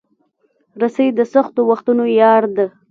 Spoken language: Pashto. رسۍ د سختو وختونو یار ده.